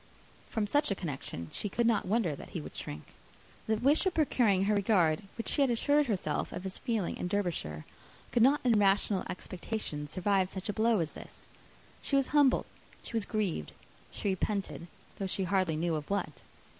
From such a connection she could not wonder that he should shrink. The wish of procuring her regard, which she had assured herself of his feeling in Derbyshire, could not in rational expectation survive such a blow as this. She was humbled, she was grieved; she repented, though she hardly knew of what.